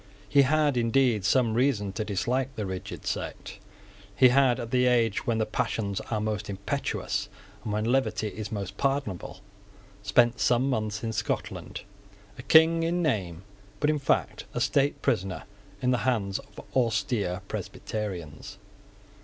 He had indeed some reason to dislike the rigid sect. He had, at the age when the passions are most impetuous and when levity is most pardonable, spent some months in Scotland, a King in name, but in fact a state prisoner in the hands of austere Presbyterians.